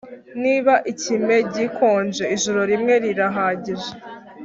niba ikime gikonje, ijoro rimwe rirahagije